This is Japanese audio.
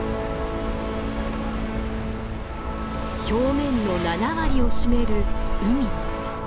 表面の７割を占める海。